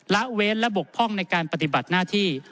ละเว้นและบกพร่องในการปฏิบัติหน้าที่